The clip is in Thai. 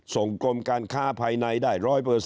กรมการค้าภายในได้๑๐๐